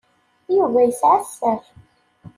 Yuba yesɛa sser.